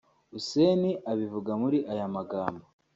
Hussein abivuga muri aya magambo